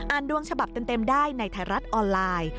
ดวงฉบับเต็มได้ในไทยรัฐออนไลน์